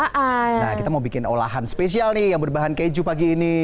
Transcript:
nah kita mau bikin olahan spesial nih yang berbahan keju pagi ini